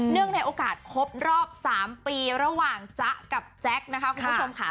ในโอกาสครบรอบ๓ปีระหว่างจ๊ะกับแจ๊คนะคะคุณผู้ชมค่ะ